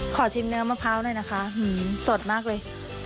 ขอชิมเนื้อมะพร้าวหน่อยนะคะสดมากเลย